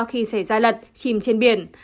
khi xảy ra lật chìm trên biển